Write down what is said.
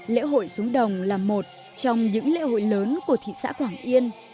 lễ hội xuống đồng là một trong những lễ hội lớn của thị xã quảng yên